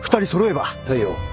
大陽。